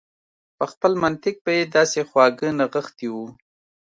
په خپل منطق به يې داسې خواږه نغښتي و.